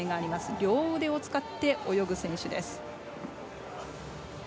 両腕を使って泳ぐ選手です。